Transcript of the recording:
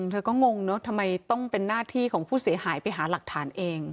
เธอก็งงเนอะทำไมต้องเป็นหน้าที่ของผู้เสียหายไปหาหลักฐานเอง